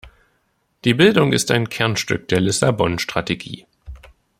Die Bildung ist ein Kernstück der Lissabon-Strategie.